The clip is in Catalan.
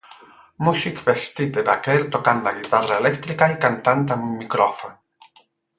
Músic vestit de vaquer tocant la guitarra elèctrica i cantant amb un micròfon.